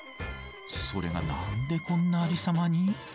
それが何でこんなありさまに。